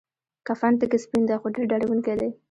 کفن تک سپین دی خو ډیر ډارونکی دی.